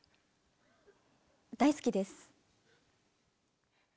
大好きです。